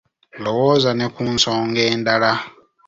Lowooza ne ku nsonga endala.